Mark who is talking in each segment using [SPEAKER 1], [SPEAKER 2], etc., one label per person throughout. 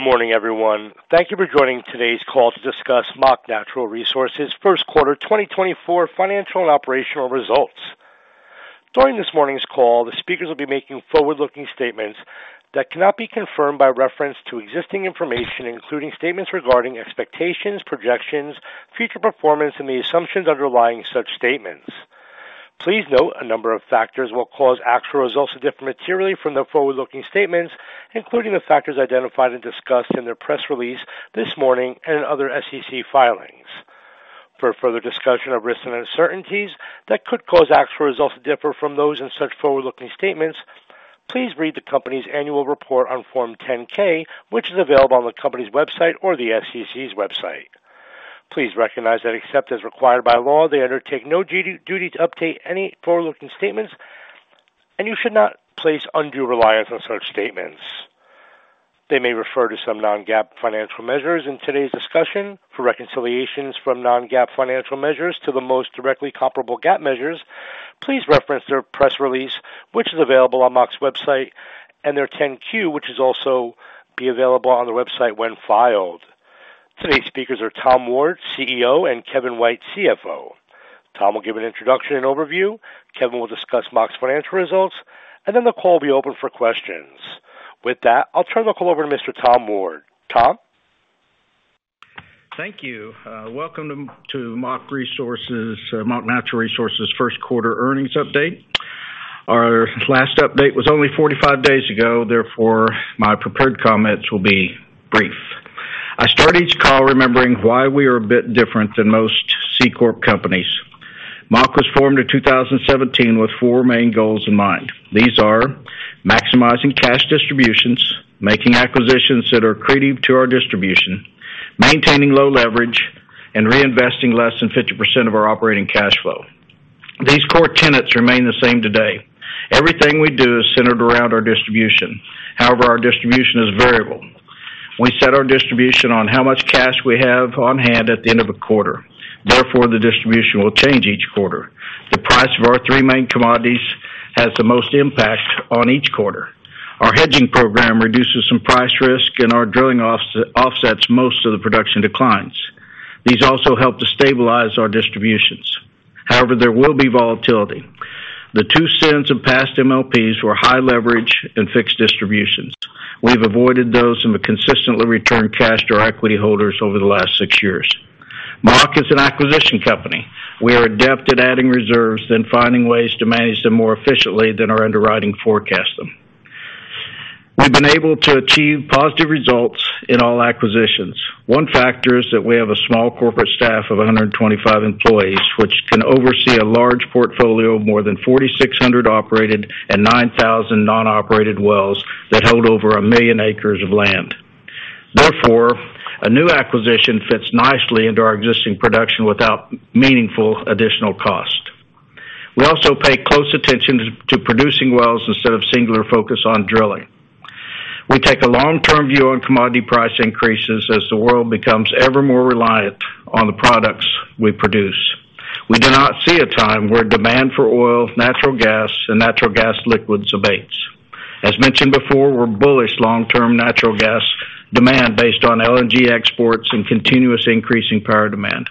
[SPEAKER 1] Good morning, everyone. Thank you for joining today's call to discuss Mach Natural Resources' first quarter 2024 financial and operational results. During this morning's call, the speakers will be making forward-looking statements that cannot be confirmed by reference to existing information, including statements regarding expectations, projections, future performance, and the assumptions underlying such statements. Please note a number of factors will cause actual results to differ materially from the forward-looking statements, including the factors identified and discussed in their press release this morning and in other SEC filings. For further discussion of risks and uncertainties that could cause actual results to differ from those in such forward-looking statements, please read the company's annual report on Form 10-K, which is available on the company's website or the SEC's website. Please recognize that except as required by law, they undertake no duty to update any forward-looking statements, and you should not place undue reliance on such statements. They may refer to some non-GAAP financial measures. In today's discussion, for reconciliations from non-GAAP financial measures to the most directly comparable GAAP measures, please reference their press release, which is available on Mach's website, and their 10-Q, which is also available on the website when filed. Today's speakers are Tom Ward, CEO, and Kevin White, CFO. Tom will give an introduction and overview. Kevin will discuss Mach's financial results, and then the call will be open for questions. With that, I'll turn the call over to Mr. Tom Ward. Tom?
[SPEAKER 2] Thank you. Welcome to Mach Natural Resources' first quarter earnings update. Our last update was only 45 days ago, therefore my prepared comments will be brief. I start each call remembering why we are a bit different than most C corp companies. Mach was formed in 2017 with four main goals in mind. These are maximizing cash distributions, making acquisitions that accretive to our distribution, maintaining low leverage, and reinvesting less than 50% of our operating cash flow. These core tenets remain the same today. Everything we do is centered around our distribution. However, our distribution is variable. We set our distribution on how much cash we have on hand at the end of a quarter. Therefore, the distribution will change each quarter. The price of our three main commodities has the most impact on each quarter. Our hedging program reduces some price risk, and our drilling offsets most of the production declines. These also help to stabilize our distributions. However, there will be volatility. The $0.02 of past MLPs were high leverage and fixed distributions. We've avoided those and consistently returned cash to our equity holders over the last six years. Mach is an acquisition company. We are adept at adding reserves then finding ways to manage them more efficiently than our underwriting forecasts them. We've been able to achieve positive results in all acquisitions. One factor is that we have a small corporate staff of 125 employees, which can oversee a large portfolio of more than 4,600 operated and 9,000 non-operated wells that hold over 1 million acres of land. Therefore, a new acquisition fits nicely into our existing production without meaningful additional cost. We also pay close attention to producing wells instead of singular focus on drilling. We take a long-term view on commodity price increases as the world becomes ever more reliant on the products we produce. We do not see a time where demand for oil, natural gas, and natural gas liquids abates. As mentioned before, we're bullish long-term natural gas demand based on LNG exports and continuous increasing power demand.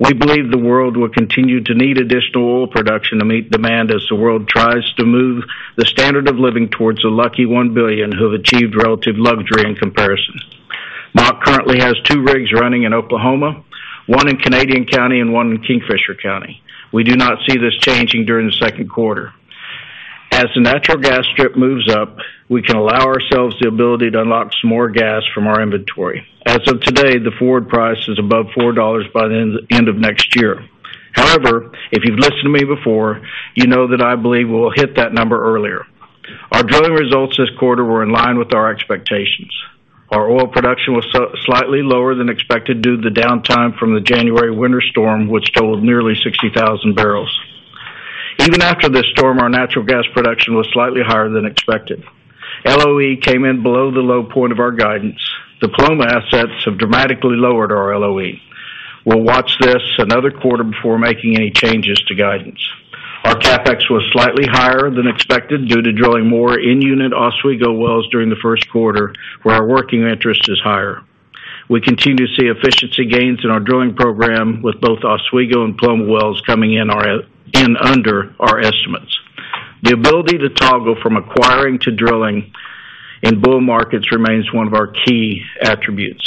[SPEAKER 2] We believe the world will continue to need additional oil production to meet demand as the world tries to move the standard of living towards the lucky 1 billion who have achieved relative luxury in comparison. Mach currently has two rigs running in Oklahoma, one in Canadian County and one in Kingfisher County. We do not see this changing during the second quarter. As the natural gas strip moves up, we can allow ourselves the ability to unlock some more gas from our inventory. As of today, the forward price is above $4 by the end of next year. However, if you've listened to me before, you know that I believe we'll hit that number earlier. Our drilling results this quarter were in line with our expectations. Our oil production was slightly lower than expected due to the downtime from the January winter storm, which totaled nearly 60,000 barrels. Even after this storm, our natural gas production was slightly higher than expected. LOE came in below the low point of our guidance. Paloma assets have dramatically lowered our LOE. We'll watch this another quarter before making any changes to guidance. Our CapEx was slightly higher than expected due to drilling more in-unit Oswego wells during the first quarter, where our working interest is higher. We continue to see efficiency gains in our drilling program, with both Oswego and Paloma wells coming in under our estimates. The ability to toggle from acquiring to drilling in bull markets remains one of our key attributes.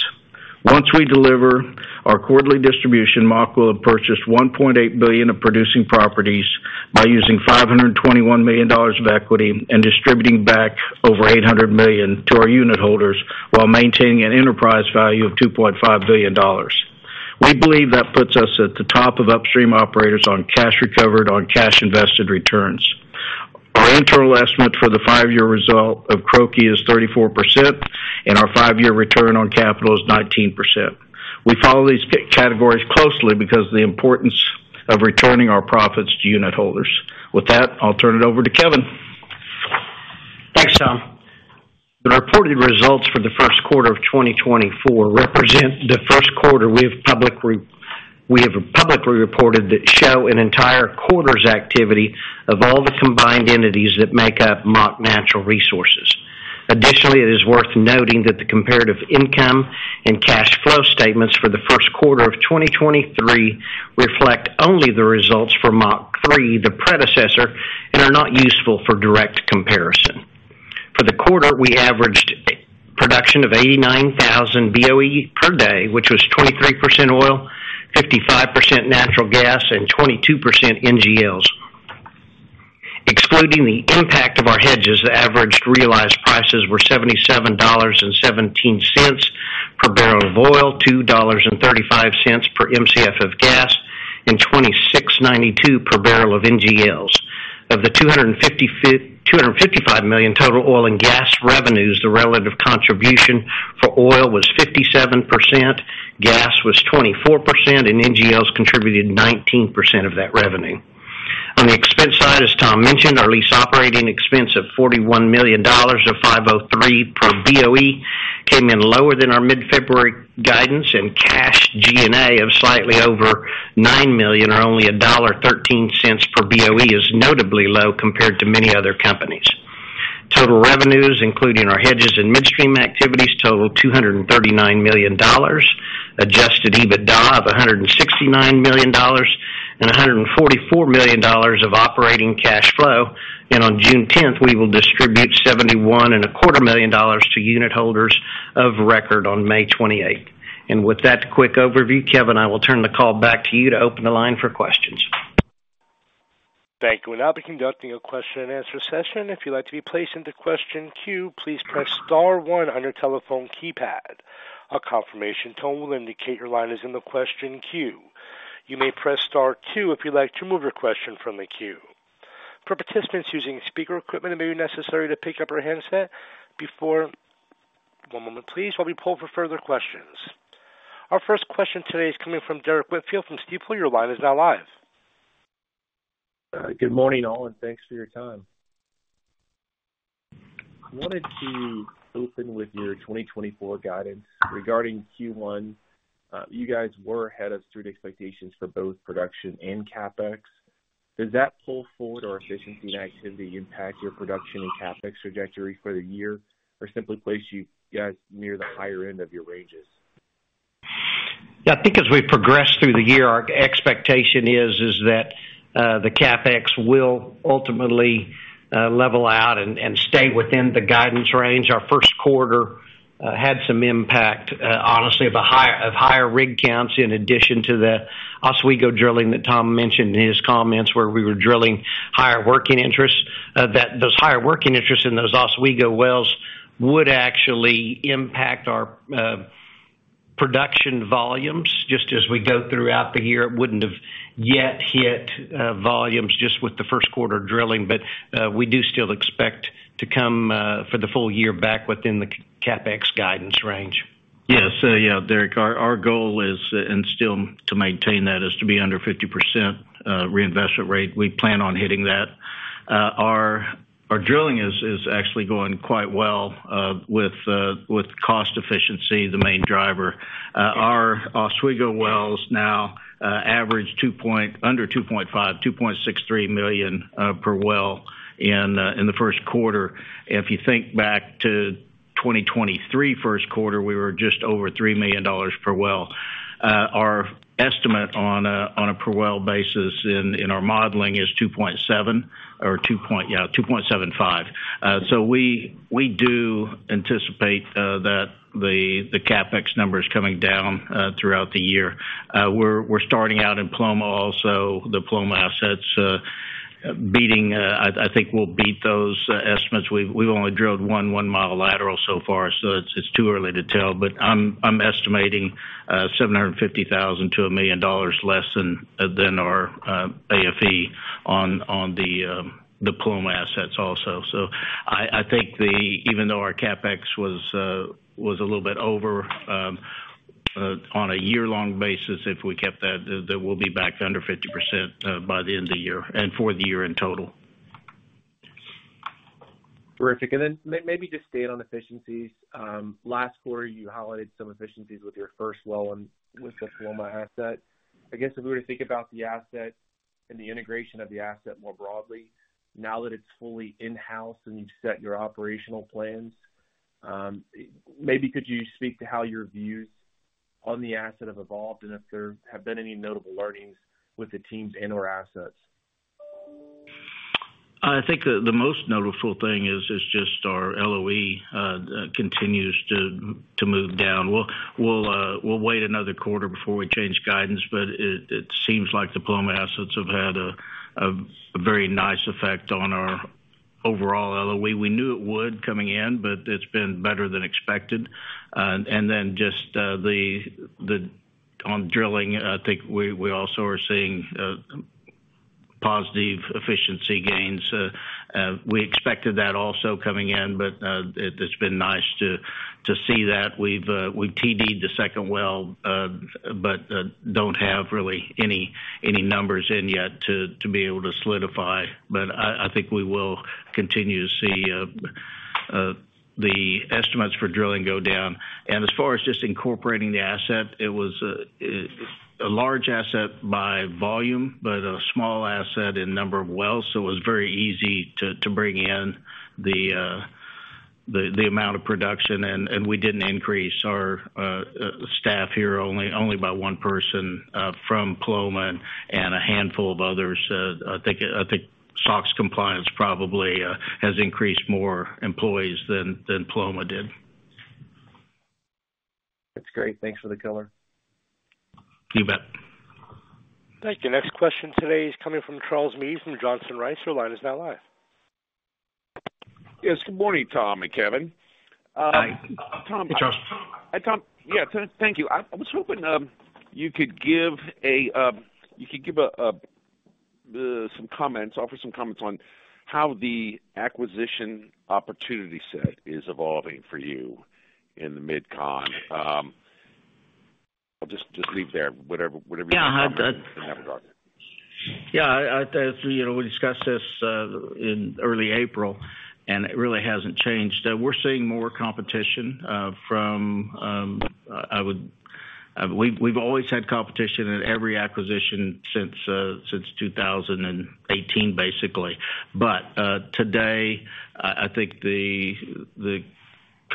[SPEAKER 2] Once we deliver our quarterly distribution, Mach will have purchased $1.8 billion of producing properties by using $521 million of equity and distributing back over $800 million to our unit holders while maintaining an enterprise value of $2.5 billion. We believe that puts us at the top of upstream operators on cash recovered, on cash invested returns. Our internal estimate for the five-year result of CROCI is 34%, and our five-year return on capital is 19%. We follow these categories closely because of the importance of returning our profits to unit holders. With that, I'll turn it over to Kevin.
[SPEAKER 3] Thanks, Tom. The reported results for the first quarter of 2024 represent the first quarter we have publicly reported that show an entire quarter's activity of all the combined entities that make up Mach Natural Resources. Additionally, it is worth noting that the comparative income and cash flow statements for the first quarter of 2023 reflect only the results for Mach 3, the predecessor, and are not useful for direct comparison. For the quarter, we averaged production of 89,000 BOE per day, which was 23% oil, 55% natural gas, and 22% NGLs. Excluding the impact of our hedges, the averaged realized prices were $77.17 per barrel of oil, $2.35 per MCF of gas, and $26.92 per barrel of NGLs. Of the $255 million total oil and gas revenues, the relative contribution for oil was 57%, gas was 24%, and NGLs contributed 19% of that revenue. On the expense side, as Tom mentioned, our lease operating expense of $41 million or $5.03 per BOE came in lower than our mid-February guidance, and cash G&A of slightly over $9 million or only $1.13 per BOE is notably low compared to many other companies. Total revenues, including our hedges and midstream activities, totaled $239 million, adjusted EBITDA of $169 million, and $144 million of operating cash flow. On June 10th, we will distribute $71.25 million to unit holders of record on May 28th. With that quick overview, Kevin, I will turn the call back to you to open the line for questions.
[SPEAKER 1] Thank you. We're now conducting a question-and-answer session. If you'd like to be placed into question queue, please press star one on your telephone keypad. A confirmation tone will indicate your line is in the question queue. You may press star two if you'd like to move your question from the queue. For participants using speaker equipment, it may be necessary to pick up your handset before. One moment, please, while we poll for further questions. Our first question today is coming from Derrick Whitfield from Stifel. Your line is now live.
[SPEAKER 4] Good morning, all, and thanks for your time. I wanted to open with your 2024 guidance regarding Q1. You guys were ahead of Street expectations for both production and CapEx. Does that pull forward your efficiency and activity impact your production and CapEx trajectory for the year or simply place you guys near the higher end of your ranges?
[SPEAKER 3] Yeah, I think as we progress through the year, our expectation is that the CapEx will ultimately level out and stay within the guidance range. Our first quarter had some impact, honestly, of higher rig counts in addition to the Oswego drilling that Tom mentioned in his comments where we were drilling higher working interests. Those higher working interests in those Oswego wells would actually impact our production volumes. Just as we go throughout the year, it wouldn't have yet hit volumes just with the first quarter drilling, but we do still expect to come for the full year back within the CapEx guidance range.
[SPEAKER 2] Yes. Yeah, Derrick, our goal is and still to maintain that is to be under 50% reinvestment rate. We plan on hitting that. Our drilling is actually going quite well with cost efficiency, the main driver. Our Oswego wells now average under $2.5, $2.63 million per well in the first quarter. If you think back to 2023 first quarter, we were just over $3 million per well. Our estimate on a per well basis in our modeling is $2.7 or $2.5. So we do anticipate that the CapEx number is coming down throughout the year. We're starting out in Paloma also, the Paloma assets beating I think we'll beat those estimates. We've only drilled 1 mile lateral so far, so it's too early to tell. But I'm estimating $750,000-$1 million less than our AFE on the Paloma assets also. So I think even though our CapEx was a little bit over on a year-long basis, if we kept that, that we'll be back under 50% by the end of the year and for the year in total.
[SPEAKER 4] Terrific. And then maybe just staying on efficiencies. Last quarter, you highlighted some efficiencies with your first well and with the Paloma asset. I guess if we were to think about the asset and the integration of the asset more broadly, now that it's fully in-house and you've set your operational plans, maybe could you speak to how your views on the asset have evolved and if there have been any notable learnings with the teams and/or assets?
[SPEAKER 2] I think the most notable thing is just our LOE continues to move down. We'll wait another quarter before we change guidance, but it seems like the Paloma assets have had a very nice effect on our overall LOE. We knew it would coming in, but it's been better than expected. And then just on drilling, I think we also are seeing positive efficiency gains. We expected that also coming in, but it's been nice to see that. We've TD'd the second well but don't have really any numbers in yet to be able to solidify. But I think we will continue to see the estimates for drilling go down. And as far as just incorporating the asset, it was a large asset by volume but a small asset in number of wells. It was very easy to bring in the amount of production, and we didn't increase our staff here only by one person from Paloma and a handful of others. I think SOX compliance probably has increased more employees than Paloma did.
[SPEAKER 4] That's great. Thanks for the color.
[SPEAKER 2] You bet.
[SPEAKER 1] Thank you. Next question today is coming from Charles Meade from Johnson Rice. Your line is now live.
[SPEAKER 5] Yes. Good morning, Tom and Kevin.
[SPEAKER 3] Hi.
[SPEAKER 5] Tom.
[SPEAKER 3] Hey, Charles.
[SPEAKER 5] Hey, Tom. Yeah, thank you. I was hoping you could give some comments, offer some comments on how the acquisition opportunity set is evolving for you in the Mid-Con. I'll just leave there whatever you have in that regard.
[SPEAKER 2] Yeah. Yeah. We discussed this in early April, and it really hasn't changed. We're seeing more competition. We've always had competition in every acquisition since 2018, basically. But today, I think the competition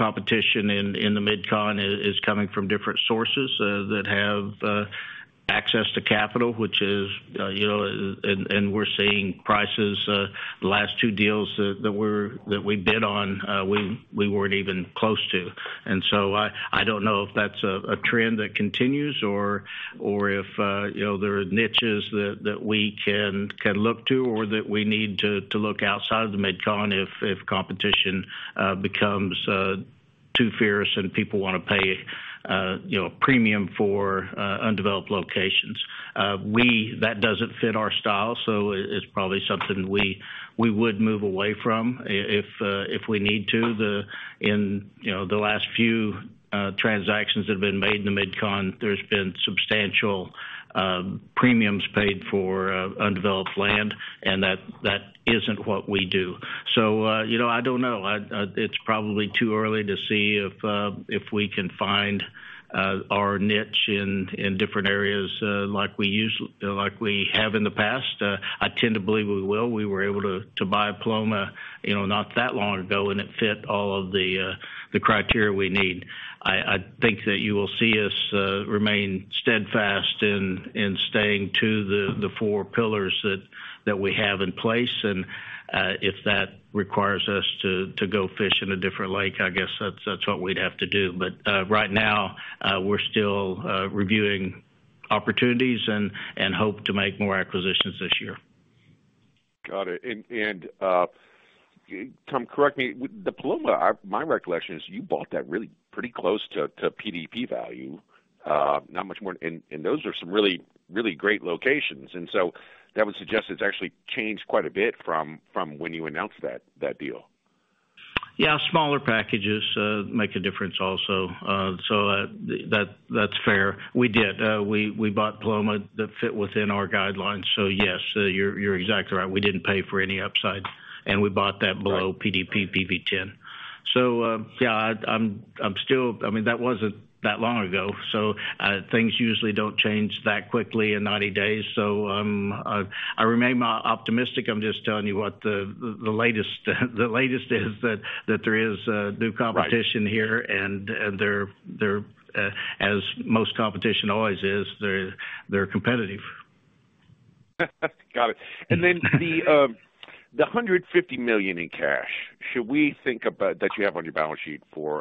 [SPEAKER 2] in the Mid-Con is coming from different sources that have access to capital, and we're seeing prices. The last two deals that we bid on, we weren't even close to. And so I don't know if that's a trend that continues or if there are niches that we can look to or that we need to look outside of the Mid-Con if competition becomes too fierce and people want to pay a premium for undeveloped locations. That doesn't fit our style, so it's probably something we would move away from if we need to. In the last few transactions that have been made in the Mid-Con, there's been substantial premiums paid for undeveloped land, and that isn't what we do. So I don't know. It's probably too early to see if we can find our niche in different areas like we have in the past. I tend to believe we will. We were able to buy Paloma not that long ago, and it fit all of the criteria we need. I think that you will see us remain steadfast in staying to the four pillars that we have in place. And if that requires us to go fish in a different lake, I guess that's what we'd have to do. But right now, we're still reviewing opportunities and hope to make more acquisitions this year.
[SPEAKER 5] Got it. And Tom, correct me. The Paloma, my recollection is you bought that really pretty close to PDP value, not much more. And those are some really great locations. And so that would suggest it's actually changed quite a bit from when you announced that deal.
[SPEAKER 2] Yeah, smaller packages make a difference also. So that's fair. We did. We bought Paloma that fit within our guidelines. So yes, you're exactly right. We didn't pay for any upside, and we bought that below PDP PV-10. So yeah, I'm still—I mean, that wasn't that long ago. So things usually don't change that quickly in 90 days. So I remain optimistic. I'm just telling you what the latest is, that there is new competition here, and they're—as most competition always is—they're competitive.
[SPEAKER 5] Got it. Then the $150 million in cash, should we think about that you have on your balance sheet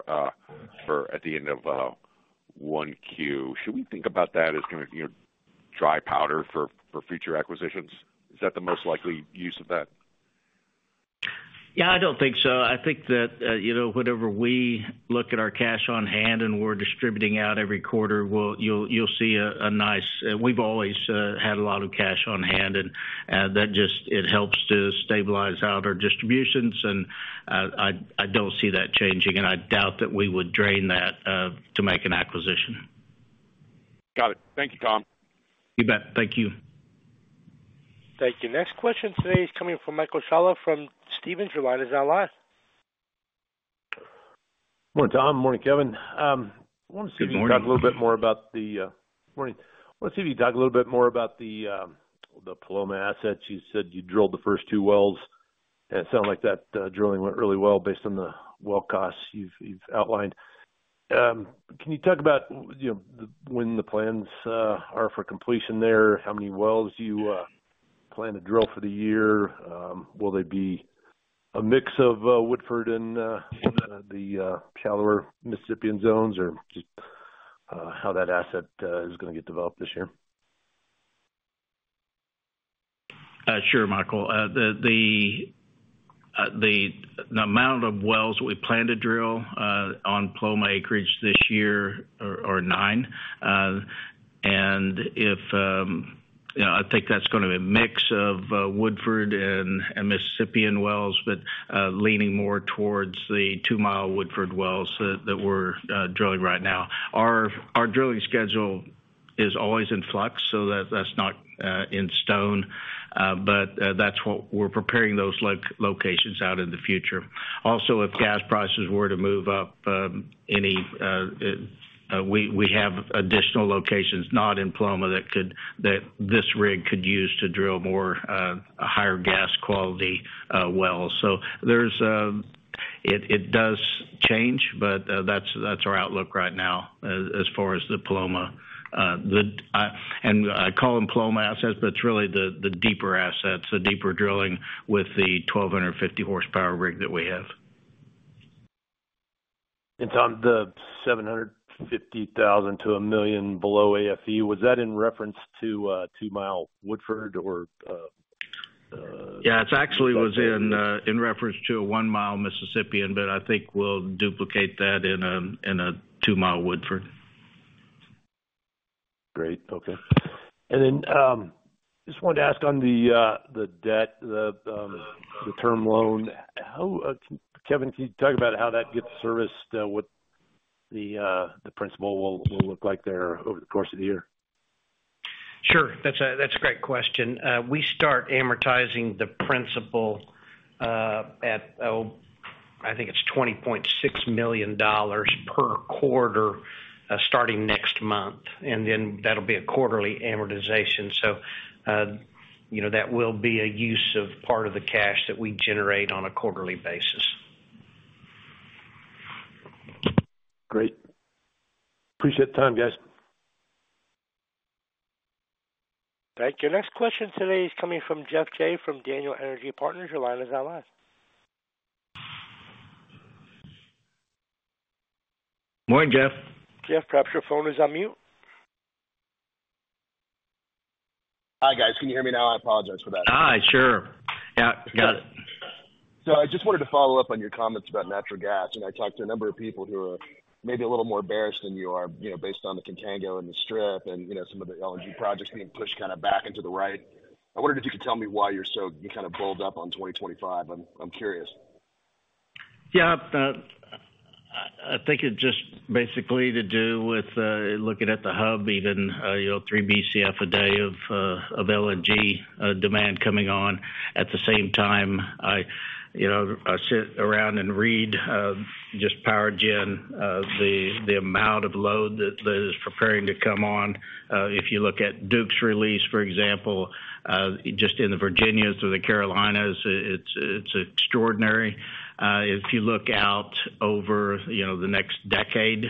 [SPEAKER 5] at the end of Q1, should we think about that as going to dry powder for future acquisitions? Is that the most likely use of that?
[SPEAKER 2] Yeah, I don't think so. I think that whatever we look at our cash on hand and we're distributing out every quarter, you'll see a nice we've always had a lot of cash on hand, and that just it helps to stabilize out our distributions. I don't see that changing, and I doubt that we would drain that to make an acquisition.
[SPEAKER 5] Got it. Thank you, Tom.
[SPEAKER 2] You bet. Thank you.
[SPEAKER 1] Thank you. Next question today is coming from Michael Scialla from Stephens. Your line is now live.
[SPEAKER 6] Morning, Tom. Morning, Kevin. I want to see if you could talk a little bit more about the Paloma assets. You said you drilled the first two wells, and it sounded like that drilling went really well based on the well costs you've outlined. Can you talk about when the plans are for completion there, how many wells you plan to drill for the year? Will they be a mix of Woodford and the shallower Mississippian zones or just how that asset is going to get developed this year?
[SPEAKER 2] Sure, Michael. The amount of wells that we plan to drill on Paloma acreage this year are nine. And I think that's going to be a mix of Woodford and Mississippian wells, but leaning more towards the 2-mile Woodford wells that we're drilling right now. Our drilling schedule is always in flux, so that's not in stone. But that's what we're preparing those locations out in the future. Also, if gas prices were to move up, any we have additional locations not in Paloma that this rig could use to drill more higher gas quality wells. So it does change, but that's our outlook right now as far as the Paloma and I call them Paloma assets, but it's really the deeper assets, the deeper drilling with the 1,250 horsepower rig that we have.
[SPEAKER 6] Tom, the $750,000-$1 million below AFE, was that in reference to two-mile Woodford or?
[SPEAKER 2] Yeah, it actually was in reference to a 1-mile Mississippian, but I think we'll duplicate that in a 2-mile Woodford.
[SPEAKER 6] Great. Okay. And then just wanted to ask on the debt, the term loan, how, Kevin, can you talk about how that gets serviced, what the principal will look like there over the course of the year?
[SPEAKER 2] Sure. That's a great question. We start amortizing the principal at, oh, I think it's $20.6 million per quarter starting next month. And then that'll be a quarterly amortization. So that will be a use of part of the cash that we generate on a quarterly basis.
[SPEAKER 6] Great. Appreciate the time, guys.
[SPEAKER 1] Thank you. Next question today is coming from Geoff Jay from Daniel Energy Partners. Your line is now live.
[SPEAKER 7] Morning, Geoff.
[SPEAKER 1] Geoff, perhaps your phone is on mute.
[SPEAKER 7] Hi, guys. Can you hear me now? I apologize for that.
[SPEAKER 2] Hi. Sure. Yeah. Got it.
[SPEAKER 7] So I just wanted to follow up on your comments about natural gas. I talked to a number of people who are maybe a little morebearish than you are based on the Contango and the Strip and some of the LNG projects being pushed kind of back into the right. I wondered if you could tell me why you're so kind of bullish on 2025. I'm curious.
[SPEAKER 2] Yeah. I think it's just basically to do with looking at the hub, even 3 Bcf/d of LNG demand coming on. At the same time, I sit around and read just PowerGen, the amount of load that is preparing to come on. If you look at Duke's release, for example, just in the Virginias or the Carolinas, it's extraordinary. If you look out over the next decade,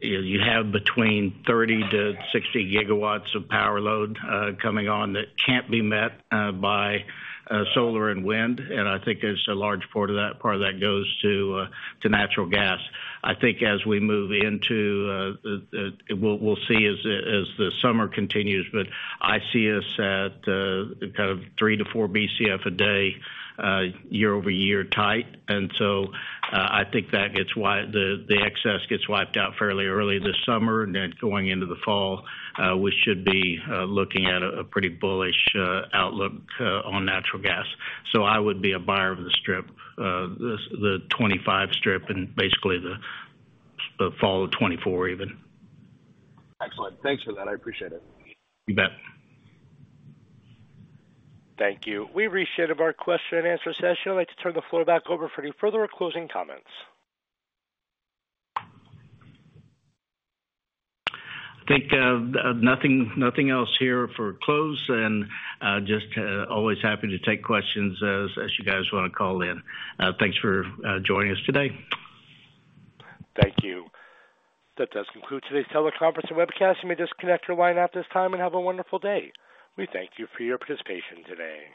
[SPEAKER 2] you have between 30-60 gigawatts of power load coming on that can't be met by solar and wind. And I think a large part of that goes to natural gas. I think as we move into we'll see as the summer continues, but I see us at kind of 3-4 Bcf/d day year-over-year tight. And so I think that gets the excess gets wiped out fairly early this summer. Then going into the fall, we should be looking at a pretty bullish outlook on natural gas. So I would be a buyer of the Strip, the 2025 Strip, and basically the fall of 2024 even.
[SPEAKER 7] Excellent. Thanks for that. I appreciate it.
[SPEAKER 2] You bet.
[SPEAKER 1] Thank you. We've reached the end of our question-and-answer session. I'd like to turn the floor back over for any further or closing comments.
[SPEAKER 2] I think nothing else here for close. And just always happy to take questions as you guys want to call in. Thanks for joining us today.
[SPEAKER 1] Thank you. That does conclude today's teleconference and webcast. You may disconnect your line at this time and have a wonderful day. We thank you for your participation today.